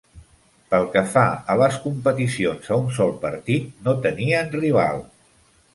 Pel que fa a les competicions a un sol partit, no tenien rival